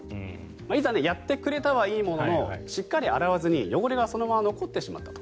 いざ、やってくれたはいいもののしっかり洗わずに汚れがそのまま残ってしまったと。